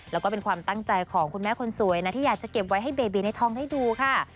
แล้วก็เป็นความตั้งใจของคุณแม่คนสวยนะที่อยากจะเก็บไว้ให้เบบีในทองได้ดูค่ะ